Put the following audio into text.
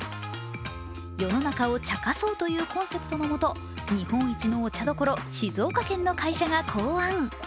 世の中を茶化そうというコンセプトのもと日本一のお茶どころ、静岡県の会社が考案。